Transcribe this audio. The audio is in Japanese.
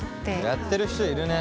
やってる人いるね。